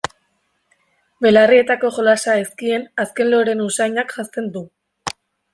Belarrietako jolasa ezkien azken loreen usainak janzten du.